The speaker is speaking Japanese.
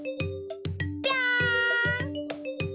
ぴょん！